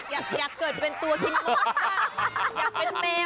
อยากเกิดเป็นตัวทิ้งหมดบ้าง